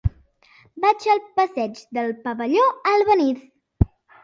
Vaig al passeig del Pavelló Albéniz.